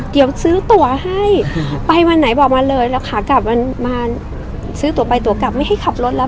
เดี๋ยวซื้อตัวให้ไปวันไหนบอกมาเลยแล้วขากลับมันมาซื้อตัวไปตัวกลับไม่ให้ขับรถแล้ว